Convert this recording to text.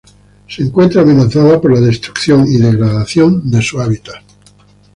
Se encuentra amenazada por la destrucción y degradación de su hábitat.